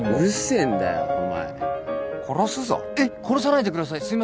殺さないでください。